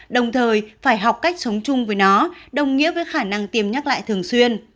đồng thời phải học cách sống chung với nó đồng nghĩa với khả năng tiêm nhắc lại thường xuyên